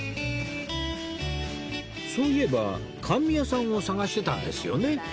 そういえば甘味屋さんを探してたんですよね？